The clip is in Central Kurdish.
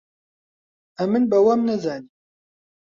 ئەمن بە وەم نەزانی